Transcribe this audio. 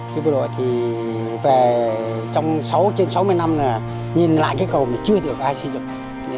thì bộ đội thì về trong sáu trên sáu mươi năm này nhìn lại cây cầu mà chưa được ai xây dựng